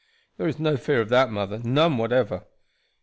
"There is no fear of that, mother, none whatever."